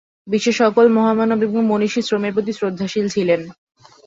বিশ্বের সকল মহামানব ও মনীষীই শ্রমের প্রতি শ্রদ্ধাশীল ছিলেন।